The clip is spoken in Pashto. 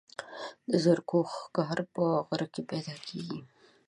د زرکو ښکار په غره کې پیدا کیږي.